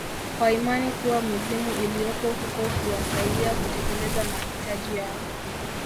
kwa imani kuwa mizimu iliyopo huko huwasaidia kutekeleza mahitaji yao